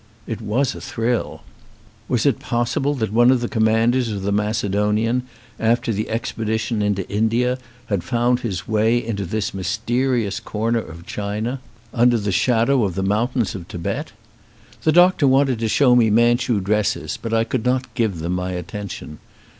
It was a thrill. Was it possible that one of the commanders of the Macedonian, after the expedi tion into India, had found his way into this mys terious corner of China under the shadow of the 209 ON A CHINESE SCEEEN mountains of Tibet? The doctor wanted to show me Manchu dresses, but I could not give them my attention.